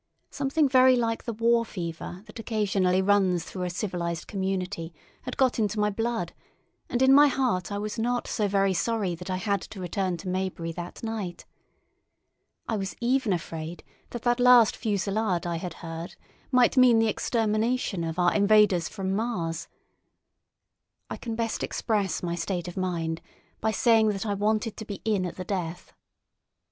Something very like the war fever that occasionally runs through a civilised community had got into my blood, and in my heart I was not so very sorry that I had to return to Maybury that night. I was even afraid that that last fusillade I had heard might mean the extermination of our invaders from Mars. I can best express my state of mind by saying that I wanted to be in at the death.